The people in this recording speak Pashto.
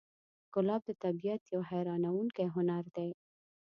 ګلاب د طبیعت یو حیرانوونکی هنر دی.